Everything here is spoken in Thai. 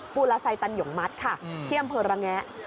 ปุราไซค์ตันหย่องมัดค่ะเที่ยมเผอร์ระแงะ